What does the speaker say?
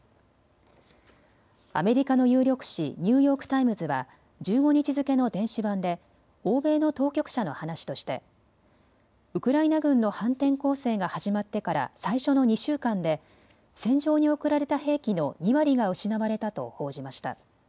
アメリカの有力紙、ニューヨーク・タイムズは１５日付けの電子版で欧米の当局者の話としてウクライナ軍の反転攻勢が始まってから最初の２週間で戦場に送られた兵器の２割が失われたと報じました。